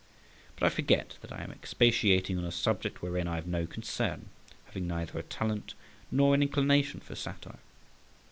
But I forget that I am expatiating on a subject wherein I have no concern, having neither a talent nor an inclination for satire.